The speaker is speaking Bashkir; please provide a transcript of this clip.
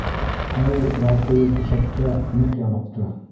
— Хәҙер ярты йыл түшәктә, ныҡ ябыҡты.